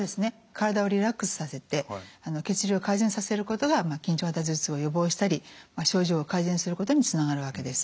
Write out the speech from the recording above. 体をリラックスさせて血流を改善させることが緊張型頭痛を予防したり症状が改善することにつながるわけです。